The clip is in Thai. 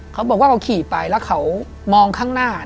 เขาบอกว่าเขาขี่ไปแล้วเขามองข้างหน้า